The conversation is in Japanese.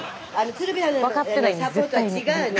スタジオ分かってないんです絶対に。